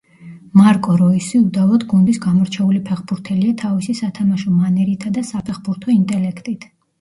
მარკო როისი უდავოდ გუნდის გამორჩეული ფეხბურთელია თავისი სათამაშო მანერითა და საფეხბურთო ინტელექტით.